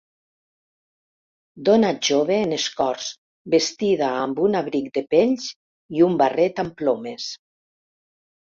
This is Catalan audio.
Dona jove en escorç vestida amb un abric de pells i un barret amb plomes.